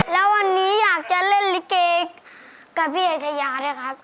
แล้ววันนี้อยากจะเล่นลิเกกับพี่เอชายาด้วยครับ